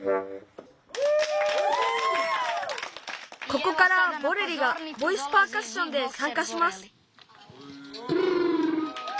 ここからボレリがボイスパーカッションでさんかします。